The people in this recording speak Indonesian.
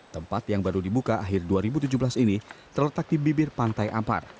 tempat yang baru dibuka akhir dua ribu tujuh belas ini terletak di bibir pantai ampar